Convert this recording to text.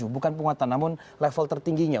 bukan penguatan namun level tertingginya